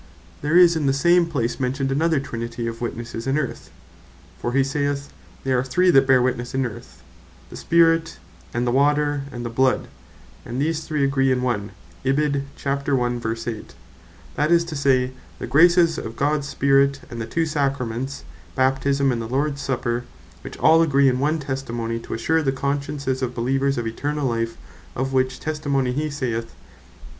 There is in the same place mentioned another Trinity of Witnesses in Earth. For (ver. 8.) he saith, "there are three that bear Witnesse in Earth, the Spirit, and the Water, and the Bloud; and these three agree in one:" that is to say, the graces of Gods Spirit, and the two Sacraments, Baptisme, and the Lords Supper, which all agree in one Testimony, to assure the consciences of beleevers, of eternall life; of which Testimony he saith (verse 10.)